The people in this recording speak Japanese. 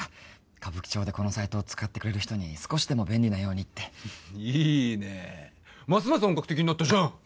歌舞伎町でこのサイトを使ってくれる人に少しでも便利なようにっていいねますます本格的になったじゃん！